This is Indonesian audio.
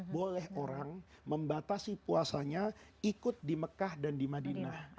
boleh orang membatasi puasanya ikut di mekah dan di madinah